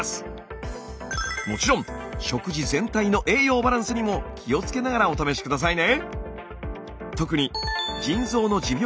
もちろん食事全体の栄養バランスにも気をつけながらお試し下さいね！